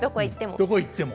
どこへ行っても。